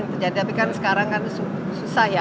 tapi kan sekarang susah ya